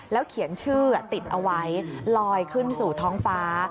เขียนชื่อติดเอาไว้ลอยขึ้นสู่ท้องฟ้า